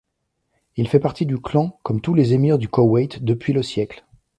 Il fait partie du clan comme tous les émirs du Koweït depuis le siècle.